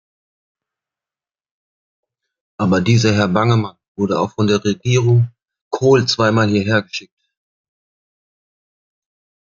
Aber dieser Herr Bangemann wurde auch von der Regierung Kohl zweimal hierhergeschickt.